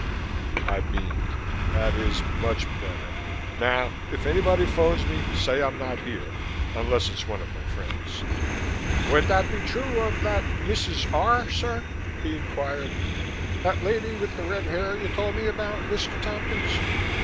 I beamed. "That is much better. Now if anybody phones me, say I'm not here, unless it's one of my friends." "Would that be true of that Mrs. R., sir?" he inquired. "That lady with the red hair you told me about, Mr. Tompkins?"